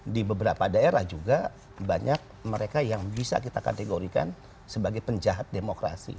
di beberapa daerah juga banyak mereka yang bisa kita kategorikan sebagai penjahat demokrasi